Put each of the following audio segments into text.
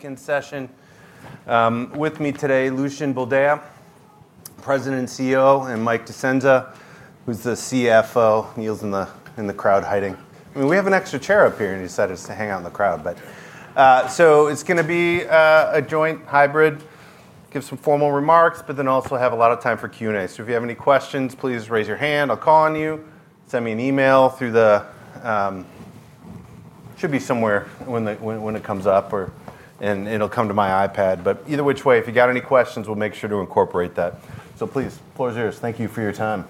Concession. With me today, Lucian Baldea, President and CEO, and Mike Discenza, who's the CFO. Neil's in the crowd hiding. I mean, we have an extra chair up here and he decided to hang out in the crowd, but it's going to be a joint hybrid. Give some formal remarks, but then also have a lot of time for Q&A. If you have any questions, please raise your hand. I'll call on you. Send me an email through the—it should be somewhere when it comes up, or it'll come to my iPad. Either which way, if you've got any questions, we'll make sure to incorporate that. Please, floor's yours. Thank you for your time.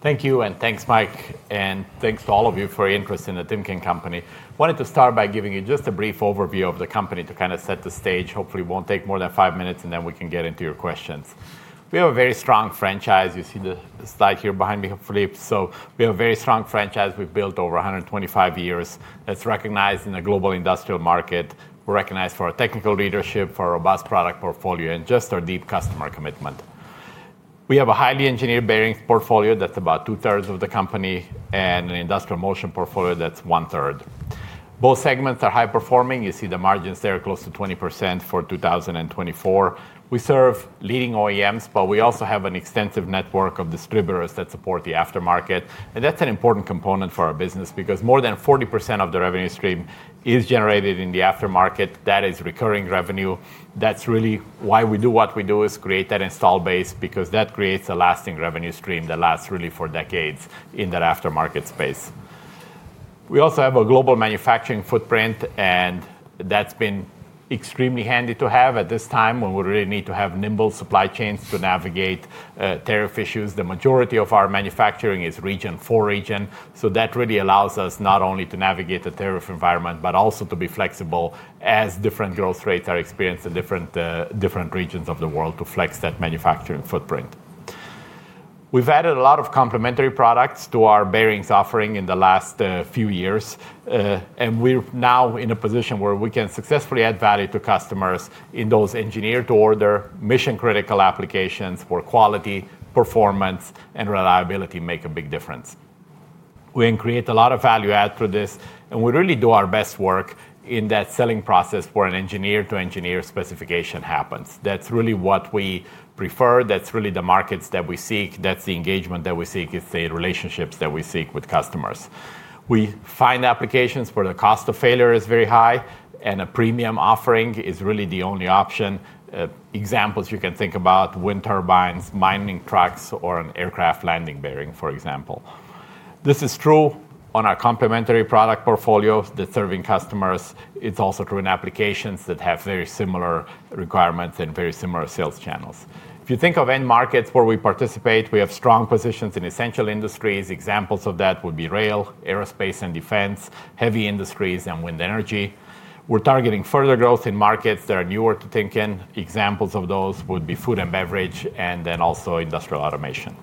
Thank you, and thanks, Mike, and thanks to all of you for your interest in the Timken Company. I wanted to start by giving you just a brief overview of the company to kind of set the stage. Hopefully, it won't take more than five minutes, and then we can get into your questions. We have a very strong franchise. You see the slide here behind me, Philip. We have a very strong franchise we've built over 125 years that's recognized in the global industrial market. We're recognized for our technical leadership, for our robust product portfolio, and just our deep customer commitment. We have a highly engineered bearing portfolio that's about 2/3 of the company, and an industrial motion portfolio that's 1/3. Both segments are high performing. You see the margins there are close to 20% for 2024. We serve leading OEMs, but we also have an extensive network of distributors that support the aftermarket. That's an important component for our business because more than 40% of the revenue stream is generated in the aftermarket. That is recurring revenue. That's really why we do what we do, is create that install base, because that creates a lasting revenue stream that lasts really for decades in that aftermarket space. We also have a global manufacturing footprint, and that's been extremely handy to have at this time when we really need to have nimble supply chains to navigate tariff issues. The majority of our manufacturing is region for region. That really allows us not only to navigate the tariff environment, but also to be flexible as different growth rates are experienced in different regions of the world to flex that manufacturing footprint. We've added a lot of complementary products to our bearings offering in the last few years, and we're now in a position where we can successfully add value to customers in those engineered-to-order, mission-critical applications where quality, performance, and reliability make a big difference. We can create a lot of value add through this, and we really do our best work in that selling process where an engineered-to-engineered specification happens. That's really what we prefer. That's really the markets that we seek. That's the engagement that we seek. It's the relationships that we seek with customers. We find applications where the cost of failure is very high, and a premium offering is really the only option. Examples you can think about: wind turbines, mining trucks, or an aircraft landing bearing, for example. This is true on our complementary product portfolio that's serving customers. It's also true in applications that have very similar requirements and very similar sales channels. If you think of end markets where we participate, we have strong positions in essential industries. Examples of that would be rail, aerospace, and defense, heavy industries, and wind energy. We're targeting further growth in markets that are newer to Timken. Examples of those would be food and beverage, and then also industrial automation.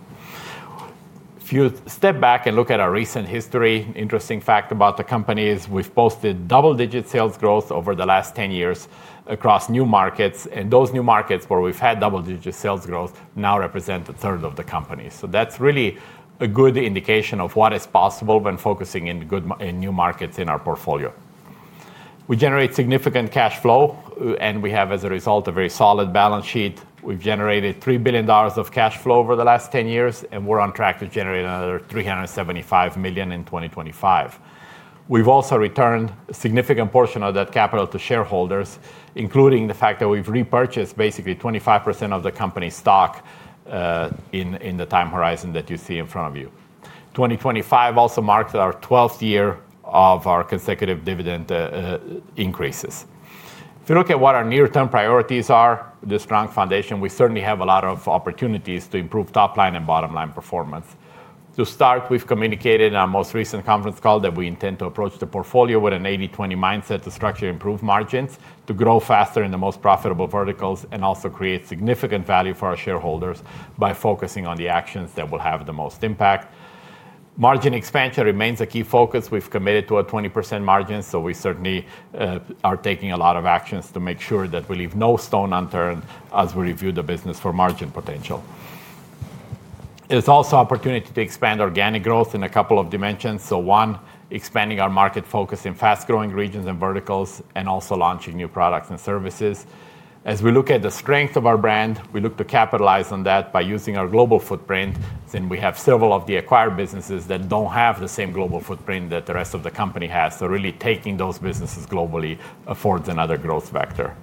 If you step back and look at our recent history, interesting fact about the company is we've posted double-digit sales growth over the last 10 years across new markets. And those new markets where we've had double-digit sales growth now represent a third of the company. So that's really a good indication of what is possible when focusing in new markets in our portfolio. We generate significant cash flow, and we have, as a result, a very solid balance sheet. We've generated $3 billion of cash flow over the last 10 years, and we're on track to generate another $375 million in 2025. We've also returned a significant portion of that capital to shareholders, including the fact that we've repurchased basically 25% of the company's stock in the time horizon that you see in front of you. 2025 also marks our 12th year of our consecutive dividend increases. If you look at what our near-term priorities are, the strong foundation, we certainly have a lot of opportunities to improve top-line and bottom-line performance. To start, we've communicated in our most recent conference call that we intend to approach the portfolio with an 80/20 mindset to structure improved margins, to grow faster in the most profitable verticals, and also create significant value for our shareholders by focusing on the actions that will have the most impact. Margin expansion remains a key focus. We've committed to a 20% margin, so we certainly are taking a lot of actions to make sure that we leave no stone unturned as we review the business for margin potential. There's also an opportunity to expand organic growth in a couple of dimensions. One, expanding our market focus in fast-growing regions and verticals, and also launching new products and services. As we look at the strength of our brand, we look to capitalize on that by using our global footprint. We have several of the acquired businesses that don't have the same global footprint that the rest of the company has. Really taking those businesses globally affords another growth vector.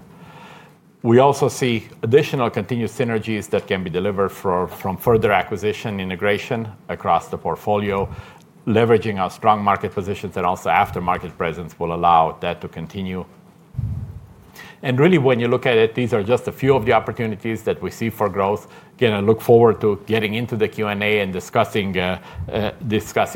We also see additional continued synergies that can be delivered from further acquisition integration across the portfolio, leveraging our strong market positions and also aftermarket presence will allow that to continue. Really, when you look at it, these are just a few of the opportunities that we see for growth. Again, I look forward to getting into the Q&A and discussing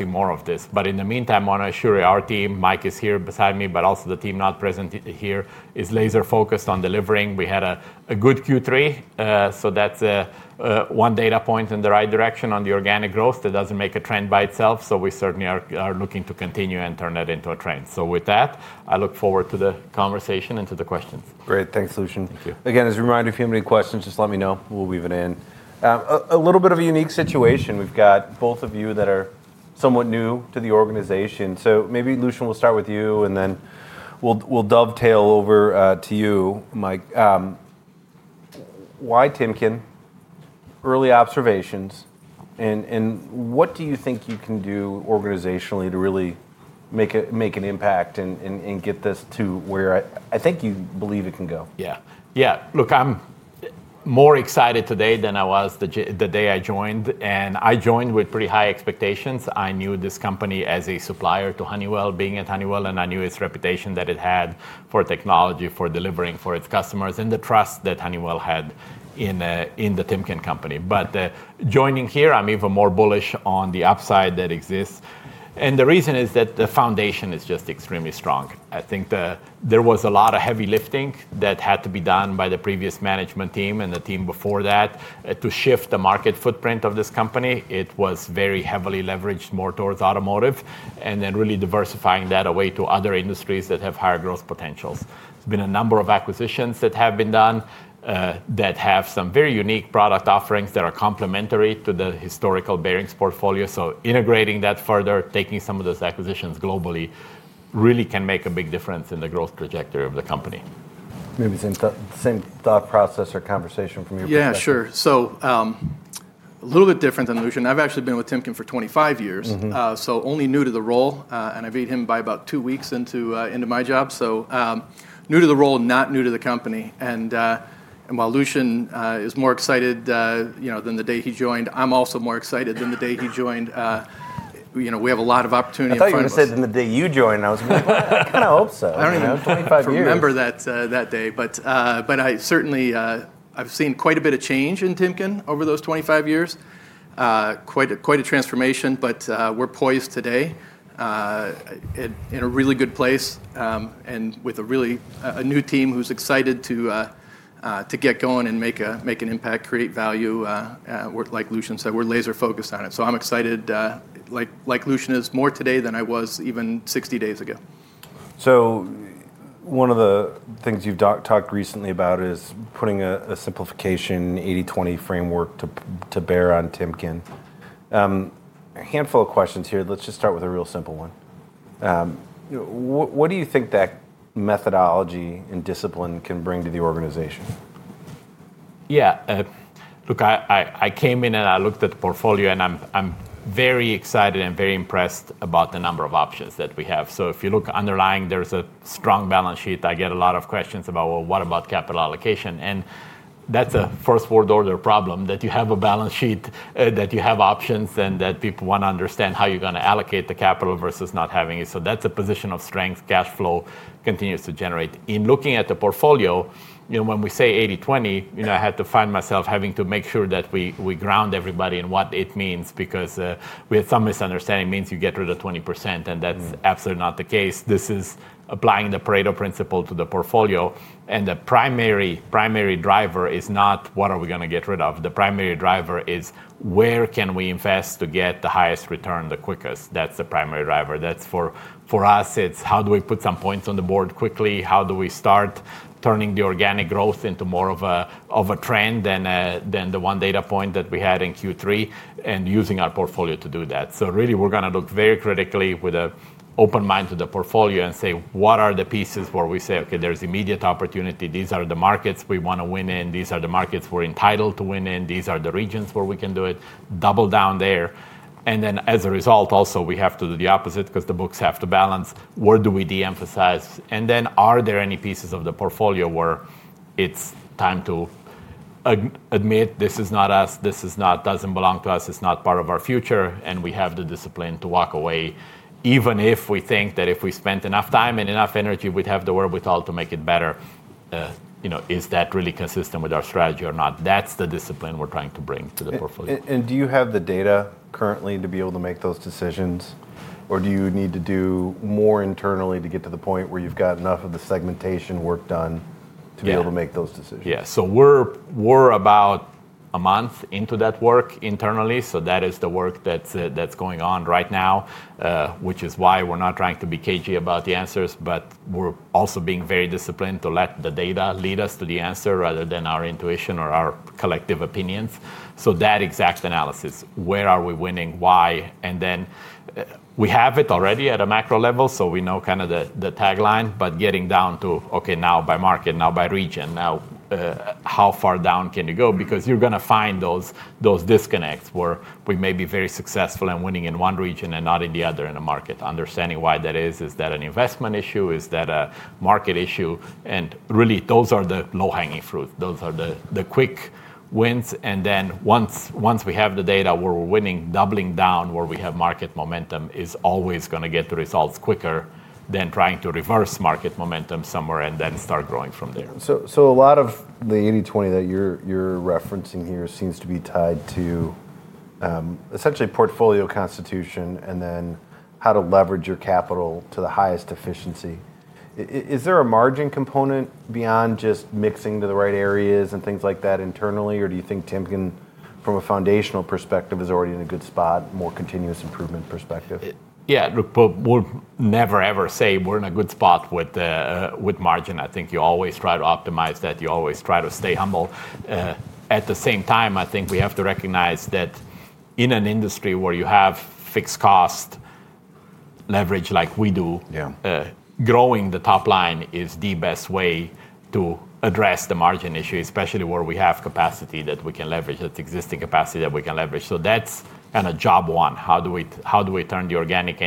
more of this. In the meantime, I want to assure our team, Mike is here beside me, but also the team not present here, is laser-focused on delivering. We had a good Q3, so that's one data point in the right direction on the organic growth that does not make a trend by itself. We certainly are looking to continue and turn that into a trend. With that, I look forward to the conversation and to the questions. Great. Thanks, Lucian. Thank you. Again, as a reminder, if you have any questions, just let me know. We'll weave it in. A little bit of a unique situation. We've got both of you that are somewhat new to the organization. Maybe, Lucian, we'll start with you, and then we'll dovetail over to you, Mike. Why Timken? Early observations. What do you think you can do organizationally to really make an impact and get this to where I think you believe it can go? Yeah. Yeah. Look, I'm more excited today than I was the day I joined. And I joined with pretty high expectations. I knew this company as a supplier to Honeywell, being at Honeywell, and I knew its reputation that it had for technology, for delivering for its customers, and the trust that Honeywell had in the Timken Company. But joining here, I'm even more bullish on the upside that exists. The reason is that the foundation is just extremely strong. I think there was a lot of heavy lifting that had to be done by the previous management team and the team before that to shift the market footprint of this company. It was very heavily leveraged more towards automotive and then really diversifying that away to other industries that have higher growth potentials. There's been a number of acquisitions that have been done that have some very unique product offerings that are complementary to the historical bearings portfolio. Integrating that further, taking some of those acquisitions globally really can make a big difference in the growth trajectory of the company. Maybe same thought process or conversation from your perspective. Yeah, sure. A little bit different than Lucian. I've actually been with Timken for 25 years, so only new to the role. I met him about two weeks into my job. New to the role, not new to the company. While Lucian is more excited than the day he joined, I'm also more excited than the day he joined. We have a lot of opportunities. I thought you were going to say the day you joined. I was kind of hopeful. I don't even know. Twenty-five years. I don't remember that day. I certainly have seen quite a bit of change in Timken over those 25 years, quite a transformation. We're poised today in a really good place and with a really new team who's excited to get going and make an impact, create value. Like Lucian said, we're laser-focused on it. I'm excited, like Lucian is, more today than I was even 60 days ago. One of the things you've talked recently about is putting a simplification 80/20 framework to bear on Timken. A handful of questions here. Let's just start with a real simple one. What do you think that methodology and discipline can bring to the organization? Yeah. Look, I came in and I looked at the portfolio, and I'm very excited and very impressed about the number of options that we have. If you look underlying, there's a strong balance sheet. I get a lot of questions about, well, what about capital allocation? That's a first-world order problem that you have a balance sheet, that you have options, and that people want to understand how you're going to allocate the capital versus not having it. That's a position of strength. Cash flow continues to generate. In looking at the portfolio, when we say 80/20, I had to find myself having to make sure that we ground everybody in what it means because we had some misunderstanding. It means you get rid of 20%, and that's absolutely not the case. This is applying the Pareto principle to the portfolio. The primary driver is not what are we going to get rid of. The primary driver is where can we invest to get the highest return the quickest. That is the primary driver. For us, it is how do we put some points on the board quickly? How do we start turning the organic growth into more of a trend than the one data point that we had in Q3 and using our portfolio to do that? Really, we are going to look very critically with an open mind to the portfolio and say, what are the pieces where we say, okay, there is immediate opportunity. These are the markets we want to win in. These are the markets we are entitled to win in. These are the regions where we can do it. Double down there. As a result, also, we have to do the opposite because the books have to balance. Where do we de-emphasize? Are there any pieces of the portfolio where it's time to admit this is not us, this doesn't belong to us, it's not part of our future, and we have the discipline to walk away, even if we think that if we spent enough time and enough energy, we'd have the wherewithal to make it better? Is that really consistent with our strategy or not? That's the discipline we're trying to bring to the portfolio. Do you have the data currently to be able to make those decisions, or do you need to do more internally to get to the point where you've got enough of the segmentation work done to be able to make those decisions? Yeah. We're about a month into that work internally. That is the work that's going on right now, which is why we're not trying to be cagey about the answers, but we're also being very disciplined to let the data lead us to the answer rather than our intuition or our collective opinions. That exact analysis, where are we winning, why? We have it already at a macro level, so we know kind of the tagline, but getting down to, okay, now by market, now by region, now how far down can you go? You're going to find those disconnects where we may be very successful in winning in one region and not in the other in a market. Understanding why that is, is that an investment issue? Is that a market issue? Those are the low-hanging fruit. Those are the quick wins. Once we have the data where we're winning, doubling down where we have market momentum is always going to get the results quicker than trying to reverse market momentum somewhere and then start growing from there. A lot of the 80/20 that you're referencing here seems to be tied to essentially portfolio constitution and then how to leverage your capital to the highest efficiency. Is there a margin component beyond just mixing to the right areas and things like that internally, or do you think Timken, from a foundational perspective, is already in a good spot, more continuous improvement perspective? Yeah. We'll never, ever say we're in a good spot with margin. I think you always try to optimize that. You always try to stay humble. At the same time, I think we have to recognize that in an industry where you have fixed cost leverage like we do, growing the top line is the best way to address the margin issue, especially where we have capacity that we can leverage, that existing capacity that we can leverage. That is kind of job one. How do we turn the organic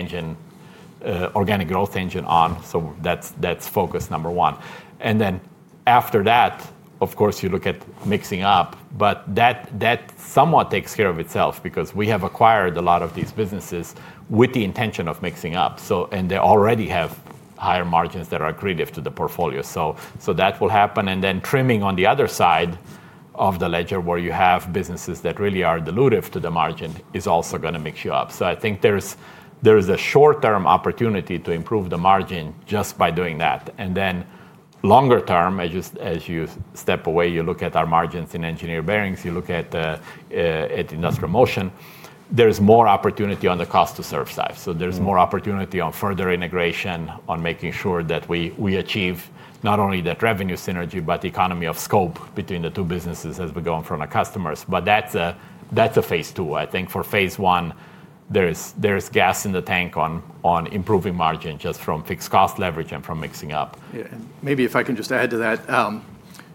growth engine on? That is focus number one. After that, of course, you look at mixing up, but that somewhat takes care of itself because we have acquired a lot of these businesses with the intention of mixing up. They already have higher margins that are accretive to the portfolio. That will happen. Trimming on the other side of the ledger where you have businesses that really are dilutive to the margin is also going to mix you up. I think there is a short-term opportunity to improve the margin just by doing that. Longer term, as you step away, you look at our margins in engineered bearings, you look at industrial motion, there is more opportunity on the cost-to-serve side. There is more opportunity on further integration, on making sure that we achieve not only that revenue synergy, but economy of scope between the two businesses as we go in front of customers. That is a phase two. I think for phase one, there is gas in the tank on improving margin just from fixed cost leverage and from mixing up. Yeah. Maybe if I can just add to that,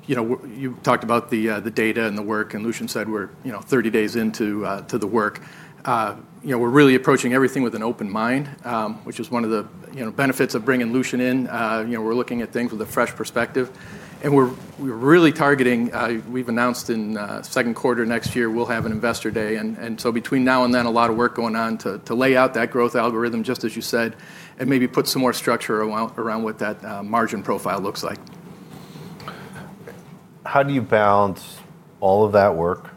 you talked about the data and the work, and Lucian said we're 30 days into the work. We're really approaching everything with an open mind, which is one of the benefits of bringing Lucian in. We're looking at things with a fresh perspective. We're really targeting, we've announced in second quarter next year, we'll have an investor day. Between now and then, a lot of work going on to lay out that growth algorithm, just as you said, and maybe put some more structure around what that margin profile looks like. How do you balance all of that work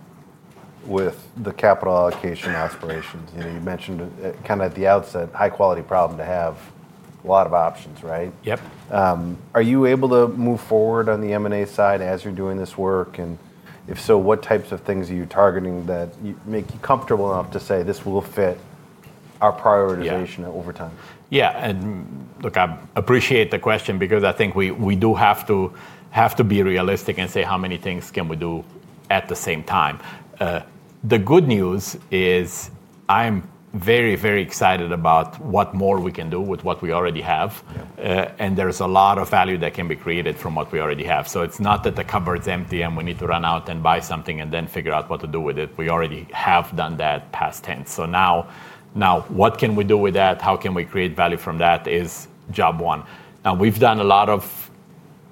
with the capital allocation aspirations? You mentioned kind of at the outset, high-quality problem to have a lot of options, right? Yep. Are you able to move forward on the M&A side as you're doing this work? If so, what types of things are you targeting that make you comfortable enough to say, this will fit our prioritization over time? Yeah. I appreciate the question because I think we do have to be realistic and say, how many things can we do at the same time? The good news is I'm very, very excited about what more we can do with what we already have. There's a lot of value that can be created from what we already have. It's not that the cupboard's empty and we need to run out and buy something and then figure out what to do with it. We already have done that, past tense. Now what can we do with that? How can we create value from that is job one. We've done a lot of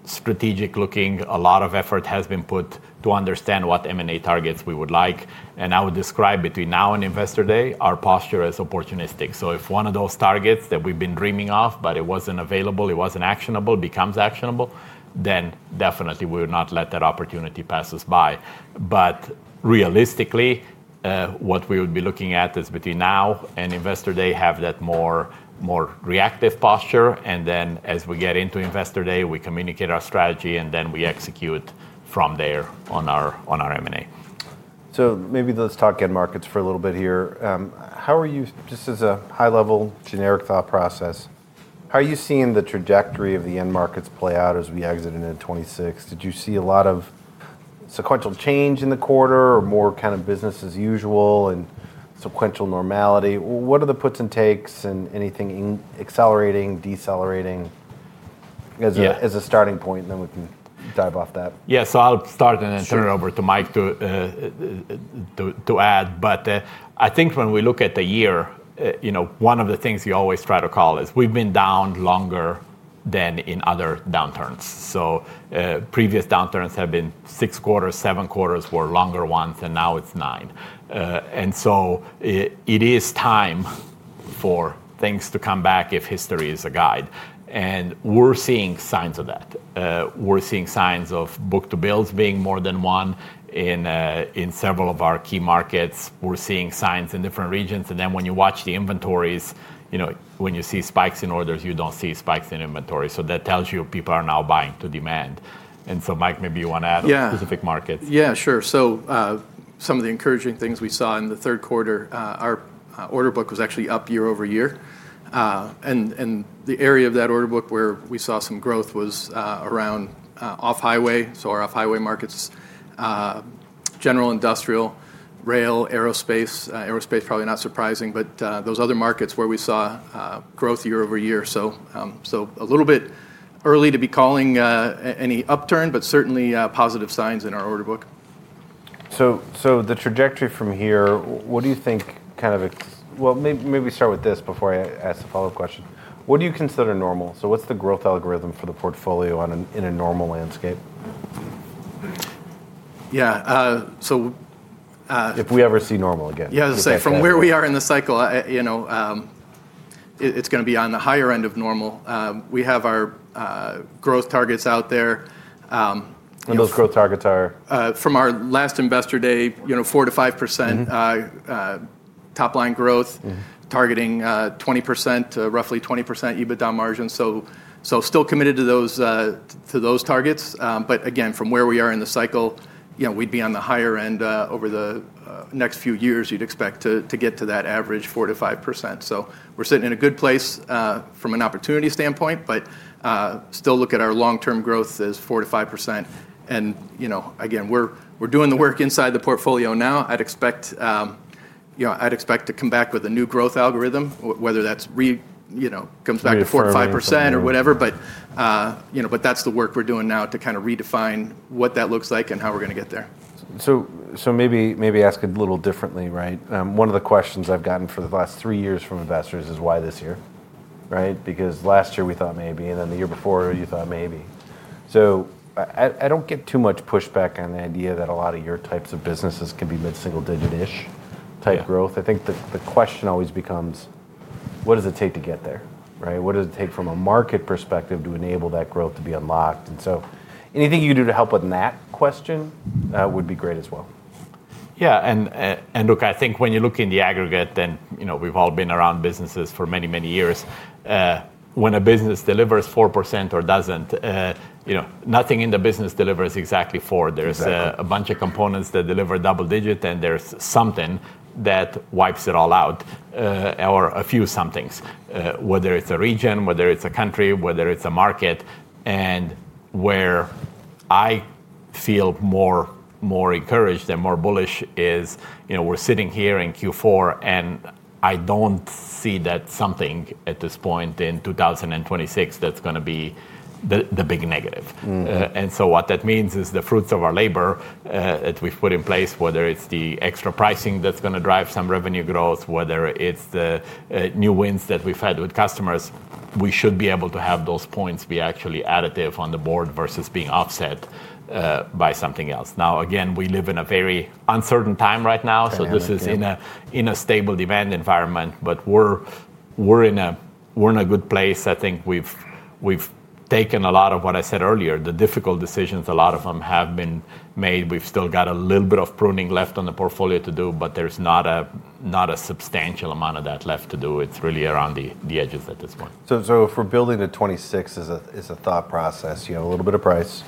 strategic looking. A lot of effort has been put to understand what M&A targets we would like. I would describe between now and investor day, our posture as opportunistic. If one of those targets that we've been dreaming of, but it wasn't available, it wasn't actionable, becomes actionable, then definitely we would not let that opportunity pass us by. Realistically, what we would be looking at is between now and investor day have that more reactive posture. As we get into investor day, we communicate our strategy, and then we execute from there on our M&A. Maybe let's talk end markets for a little bit here. Just as a high-level generic thought process, how are you seeing the trajectory of the end markets play out as we exit into 2026? Did you see a lot of sequential change in the quarter or more kind of business as usual and sequential normality? What are the puts and takes and anything accelerating, decelerating as a starting point? Then we can dive off that. Yeah. I'll start and then turn it over to Mike to add. I think when we look at the year, one of the things you always try to call is we've been down longer than in other downturns. Previous downturns have been six quarters, seven quarters were longer ones, and now it's nine. It is time for things to come back if history is a guide. We're seeing signs of that. We're seeing signs of Book to bills being more than one in several of our key markets. We're seeing signs in different regions. When you watch the inventories, when you see spikes in orders, you don't see spikes in inventory. That tells you people are now buying to demand. Mike, maybe you want to add specific markets. Yeah, sure. Some of the encouraging things we saw in the third quarter, our order book was actually up year-over-year. The area of that order book where we saw some growth was around off-highway. Our off-highway markets, general industrial, rail, aerospace, aerospace probably not surprising, but those other markets where we saw growth year-over-year. A little bit early to be calling any upturn, but certainly positive signs in our order book. The trajectory from here, what do you think kind of, well, maybe we start with this before I ask the follow-up question. What do you consider normal? What's the growth algorithm for the portfolio in a normal landscape? Yeah. So. If we ever see normal again. Yeah, I was going to say from where we are in the cycle, it's going to be on the higher end of normal. We have our growth targets out there. Those growth targets are. From our last investor day, 4%-5% top-line growth, targeting 20% to roughly 20% EBITDA margin. Still committed to those targets. Again, from where we are in the cycle, we'd be on the higher end. Over the next few years, you'd expect to get to that average 4%-5%. We're sitting in a good place from an opportunity standpoint, still look at our long-term growth as 4%-5%. Again, we're doing the work inside the portfolio now. I'd expect to come back with a new growth algorithm, whether that comes back to 4%-5% or whatever. That's the work we're doing now to kind of redefine what that looks like and how we're going to get there. Maybe ask it a little differently, right? One of the questions I've gotten for the last three years from investors is why this year, right? Because last year we thought maybe, and then the year before you thought maybe. I don't get too much pushback on the idea that a lot of your types of businesses can be mid-single-digit-ish type growth. I think the question always becomes, what does it take to get there, right? What does it take from a market perspective to enable that growth to be unlocked? Anything you could do to help with that question would be great as well. Yeah. Look, I think when you look in the aggregate, then we've all been around businesses for many, many years. When a business delivers 4% or does not, nothing in the business delivers exactly 4%. There are a bunch of components that deliver double digit, and there is something that wipes it all out or a few somethings, whether it is a region, whether it is a country, whether it is a market. Where I feel more encouraged and more bullish is we are sitting here in Q4, and I do not see that something at this point in 2026 that is going to be the big negative. What that means is the fruits of our labor that we've put in place, whether it's the extra pricing that's going to drive some revenue growth, whether it's the new wins that we've had with customers, we should be able to have those points be actually additive on the board versus being offset by something else. Now, again, we live in a very uncertain time right now, so this is in a stable event environment, but we're in a good place. I think we've taken a lot of what I said earlier, the difficult decisions, a lot of them have been made. We've still got a little bit of pruning left on the portfolio to do, but there's not a substantial amount of that left to do. It's really around the edges at this point. If we're building to 2026 as a thought process, you have a little bit of price.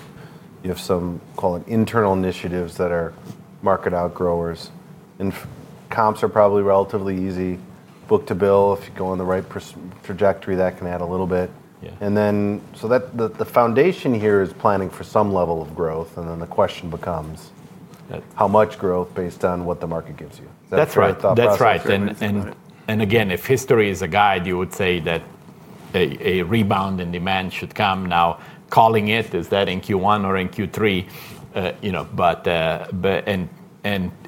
You have some, call it internal initiatives that are market outgrowers. Comps are probably relatively easy. Book to bill, if you go on the right trajectory, that can add a little bit. The foundation here is planning for some level of growth. The question becomes, how much growth based on what the market gives you? That's right. That's right. Again, if history is a guide, you would say that a rebound in demand should come. Now, calling it, is that in Q1 or in Q3?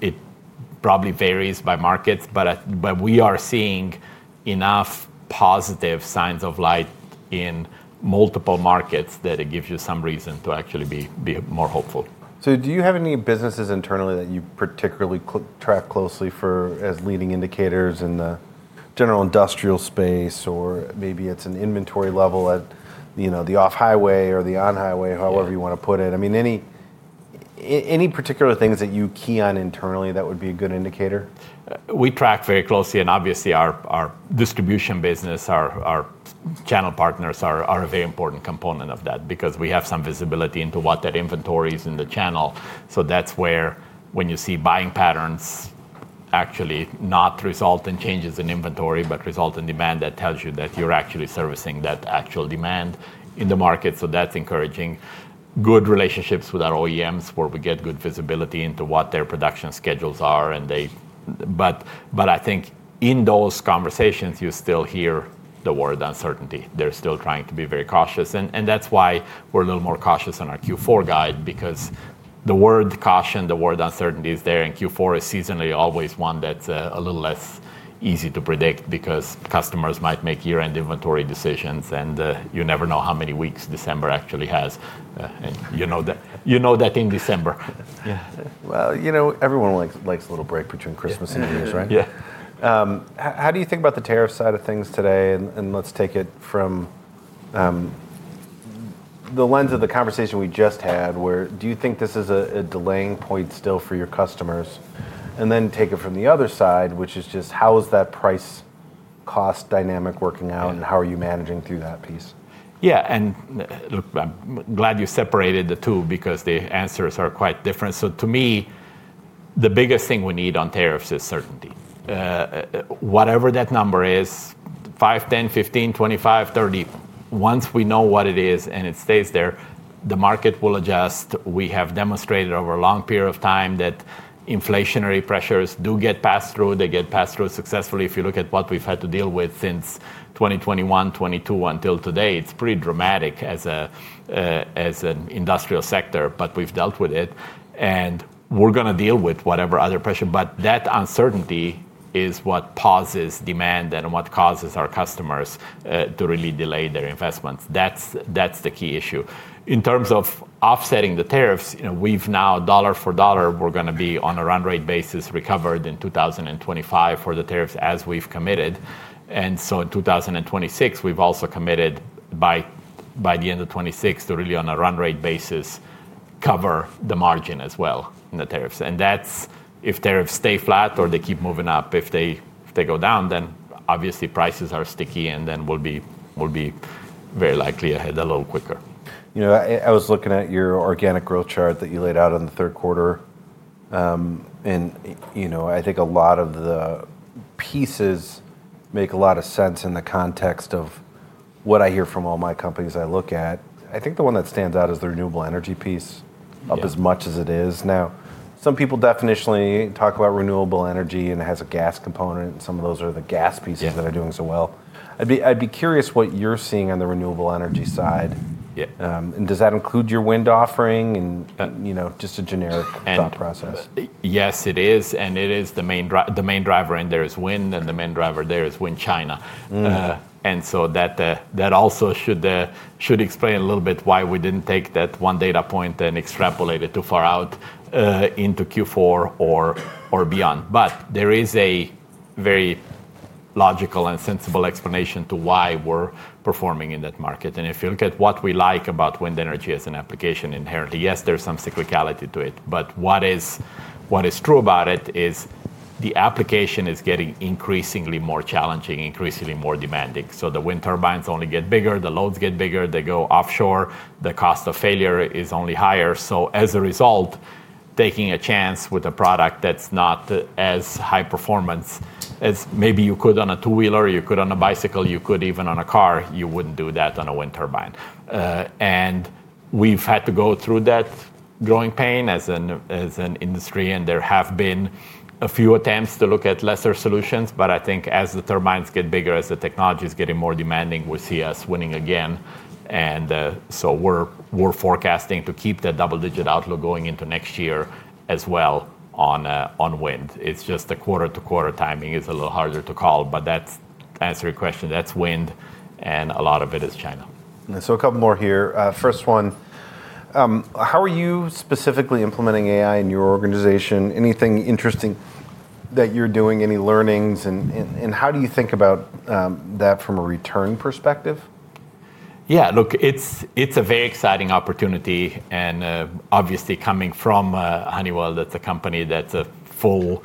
It probably varies by markets, but we are seeing enough positive signs of light in multiple markets that it gives you some reason to actually be more hopeful. Do you have any businesses internally that you particularly track closely as leading indicators in the general industrial space, or maybe it is an inventory level at the off-highway or the on-highway, however you want to put it? I mean, any particular things that you key on internally that would be a good indicator? We track very closely. Obviously, our distribution business, our channel partners are a very important component of that because we have some visibility into what that inventory is in the channel. That is where when you see buying patterns actually not result in changes in inventory, but result in demand, that tells you that you are actually servicing that actual demand in the market. That is encouraging. Good relationships with our OEMs where we get good visibility into what their production schedules are. I think in those conversations, you still hear the word uncertainty. They are still trying to be very cautious. That is why we are a little more cautious on our Q4 guide because the word caution, the word uncertainty is there. Q4 is seasonally always one that's a little less easy to predict because customers might make year-end inventory decisions, and you never know how many weeks December actually has. You know that in December. Yeah. You know everyone likes a little break between Christmas and New Year's, right? Yeah. How do you think about the tariff side of things today? Let's take it from the lens of the conversation we just had. Where do you think this is a delaying point still for your customers? Take it from the other side, which is just how is that price-cost dynamic working out, and how are you managing through that piece? Yeah. Look, I'm glad you separated the two because the answers are quite different. To me, the biggest thing we need on tariffs is certainty. Whatever that number is, 5, 10, 15, 25, 30, once we know what it is and it stays there, the market will adjust. We have demonstrated over a long period of time that inflationary pressures do get passed through. They get passed through successfully. If you look at what we've had to deal with since 2021, 2022 until today, it's pretty dramatic as an industrial sector, but we've dealt with it. We're going to deal with whatever other pressure. That uncertainty is what pauses demand and what causes our customers to really delay their investments. That's the key issue. In terms of offsetting the tariffs, we've now, dollar for dollar, we're going to be on a run rate basis recovered in 2025 for the tariffs as we've committed. In 2026, we've also committed by the end of 2026 to really on a run rate basis cover the margin as well in the tariffs. That's if tariffs stay flat or they keep moving up. If they go down, then obviously prices are sticky, and then we'll be very likely ahead a little quicker. I was looking at your organic growth chart that you laid out in the third quarter. I think a lot of the pieces make a lot of sense in the context of what I hear from all my companies I look at. I think the one that stands out is the renewable energy piece up as much as it is. Now, some people definitionally talk about renewable energy and it has a gas component. Some of those are the gas pieces that are doing so well. I'd be curious what you're seeing on the renewable energy side. Does that include your wind offering and just a generic thought process? Yes, it is. The main driver in there is wind, and the main driver there is wind China. That also should explain a little bit why we did not take that one data point and extrapolate it too far out into Q4 or beyond. There is a very logical and sensible explanation to why we are performing in that market. If you look at what we like about wind energy as an application inherently, yes, there is some cyclicality to it. What is true about it is the application is getting increasingly more challenging, increasingly more demanding. The wind turbines only get bigger, the loads get bigger, they go offshore, the cost of failure is only higher. As a result, taking a chance with a product that's not as high performance as maybe you could on a two-wheeler, you could on a bicycle, you could even on a car, you wouldn't do that on a wind turbine. We've had to go through that growing pain as an industry. There have been a few attempts to look at lesser solutions. I think as the turbines get bigger, as the technology is getting more demanding, we see us winning again. We're forecasting to keep that double-digit outlook going into next year as well on wind. It's just the quarter-to-quarter timing is a little harder to call. That's answering your question. That's wind, and a lot of it is China. A couple more here. First one, how are you specifically implementing AI in your organization? Anything interesting that you're doing, any learnings? How do you think about that from a return perspective? Yeah, look, it's a very exciting opportunity. Obviously, coming from Honeywell, that's a company that's a full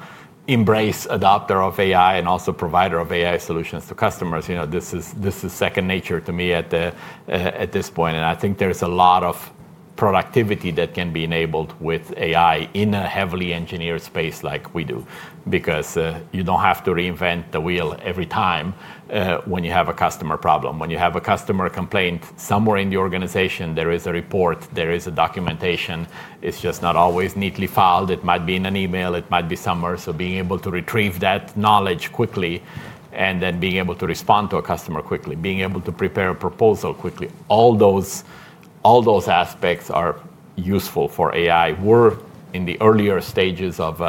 embrace adopter of AI and also provider of AI solutions to customers. This is second nature to me at this point. I think there's a lot of productivity that can be enabled with AI in a heavily engineered space like we do because you don't have to reinvent the wheel every time when you have a customer problem. When you have a customer complaint somewhere in the organization, there is a report, there is a documentation. It's just not always neatly filed. It might be in an email, it might be somewhere. Being able to retrieve that knowledge quickly and then being able to respond to a customer quickly, being able to prepare a proposal quickly, all those aspects are useful for AI. We're in the earlier stages of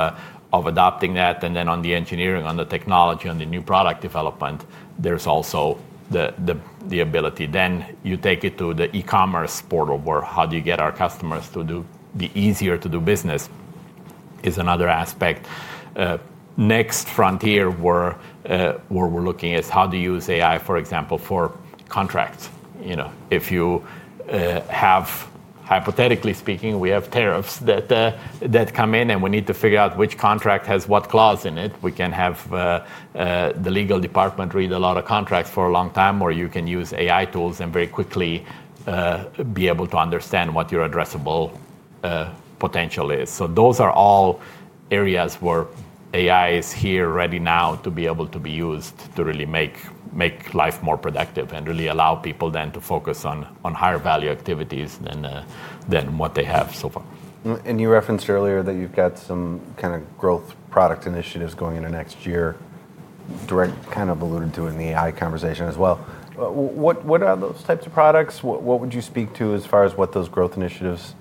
adopting that. On the engineering, on the technology, on the new product development, there's also the ability. You take it to the e-commerce portal where how do you get our customers to do the easier to do business is another aspect. The next frontier where we're looking is how to use AI, for example, for contracts. If you have, hypothetically speaking, we have tariffs that come in and we need to figure out which contract has what clause in it. We can have the legal department read a lot of contracts for a long time, or you can use AI tools and very quickly be able to understand what your addressable potential is. Those are all areas where AI is here ready now to be able to be used to really make life more productive and really allow people then to focus on higher value activities than what they have so far. You referenced earlier that you've got some kind of growth product initiatives going into next year, direct kind of alluded to in the AI conversation as well. What are those types of products? What would you speak to as far as what those growth initiatives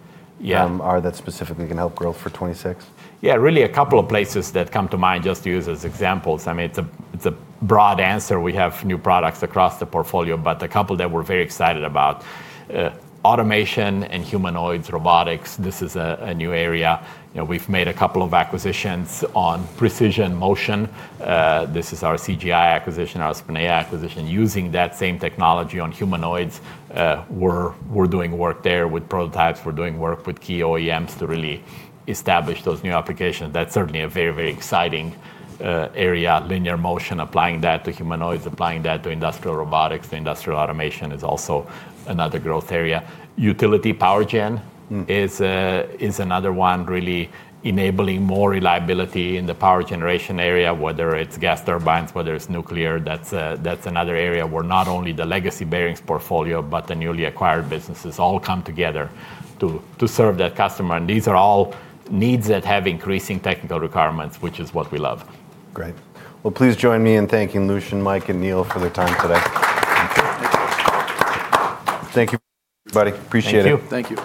are that specifically can help growth for 2026? Yeah, really a couple of places that come to mind just to use as examples. I mean, it's a broad answer. We have new products across the portfolio, but a couple that we're very excited about, automation and humanoids, robotics. This is a new area. We've made a couple of acquisitions on Precision Motion. This is our CGI acquisition, our SPINEA acquisition using that same technology on humanoids. We're doing work there with prototypes. We're doing work with key OEMs to really establish those new applications. That's certainly a very, very exciting area. Linear motion, applying that to humanoids, applying that to industrial robotics, to industrial automation is also another growth area. Utility power gen is another one really enabling more reliability in the power generation area, whether it's gas turbines, whether it's nuclear. That's another area where not only the legacy bearings portfolio, but the newly acquired businesses all come together to serve that customer. These are all needs that have increasing technical requirements, which is what we love. Great. Please join me in thanking Lucian, Mike, and Neil for their time today. Thank you, everybody. Appreciate it. Thank you. Thank you.